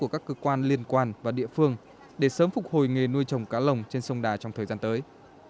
các cơ quan liên quan và địa phương để sớm phục hồi nghề nuôi trồng cá lồng trên sông đà trong thời gian tới